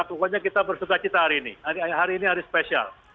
pokoknya kita bersuka cita hari ini hari ini hari spesial